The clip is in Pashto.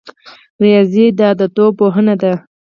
ریاضي د اعدادو پوهنه ده